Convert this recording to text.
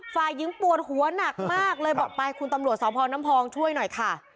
ฝ่ายหญิงปวดหัวหนักมากเลยบอกไปคุณตำรวจสพน้ำพองช่วยหน่อยค่ะ